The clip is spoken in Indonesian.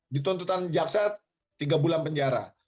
dituntutan jaksa tiga bulan penjara